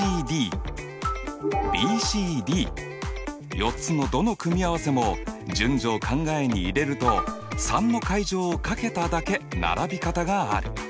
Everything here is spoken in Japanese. ４つのどの組合せも順序を考えに入れると３の階乗を掛けただけ並び方がある。